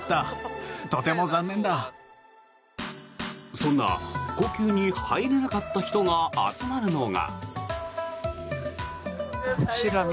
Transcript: そんな故宮に入れなかった人が集まるのが。